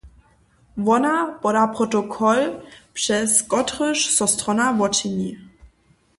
Wona poda protokol, přez kotryž so strona wočini.